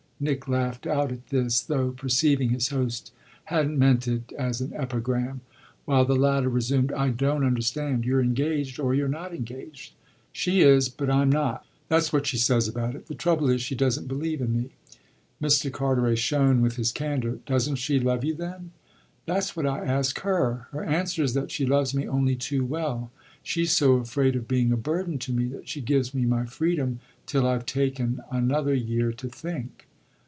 Nick laughed out at this, though perceiving his host hadn't meant it as an epigram; while the latter resumed: "I don't understand. You're engaged or you're not engaged." "She is, but I'm not. That's what she says about it. The trouble is she doesn't believe in me." Mr. Carteret shone with his candour. "Doesn't she love you then?" "That's what I ask her. Her answer is that she loves me only too well. She's so afraid of being a burden to me that she gives me my freedom till I've taken another year to think."